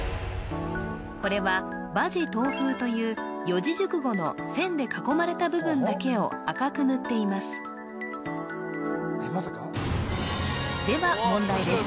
これは「馬耳東風」という四字熟語の線で囲まれた部分だけを赤く塗っていますでは問題です